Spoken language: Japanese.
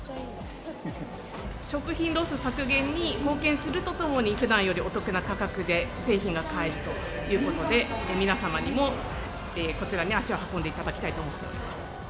食品ロス削減に貢献するとともに、ふだんよりお得な価格で製品が買えるということで、皆様にもこちらに足を運んでいただきたいと思っております。